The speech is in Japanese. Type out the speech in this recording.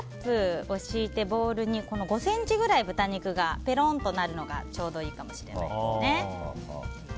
ラップを敷いて、ボウルに５ｃｍくらい豚肉がペロンとなるのがちょうどいいかもしれないですね。